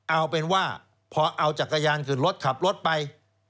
เอาเป็นว่าพอเอาจักรยานขึ้นรถขับรถไป